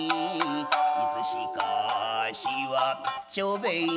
「いつしか足は長兵衛の」